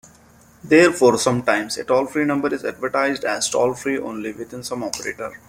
Therefore, sometimes a "toll-free" number is advertised as "toll free only within "some" operator".